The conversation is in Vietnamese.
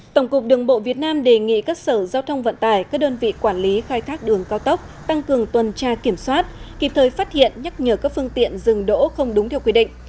tổng cục đường bộ việt nam đề nghị các sở giao thông vận tải các đơn vị quản lý khai thác đường cao tốc tăng cường tuần tra kiểm soát kịp thời phát hiện nhắc nhở các phương tiện dừng đỗ không đúng theo quy định